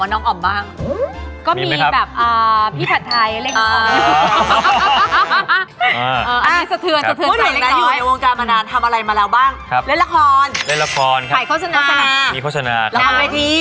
น้องอย่าพูดอย่างนี้สิ